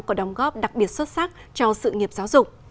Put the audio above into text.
có đóng góp đặc biệt xuất sắc cho sự nghiệp giáo dục